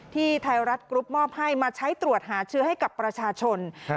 ไทยรัฐกรุ๊ปมอบให้มาใช้ตรวจหาเชื้อให้กับประชาชน